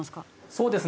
そうですね